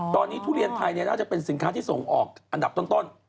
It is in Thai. ตอนนี้ทุเรียนไทยน่าจะเป็นสินค้าที่ส่งออกอันดับต้น